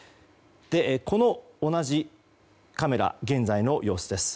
そして同じカメラの現在の様子です。